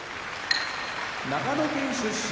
長野県出身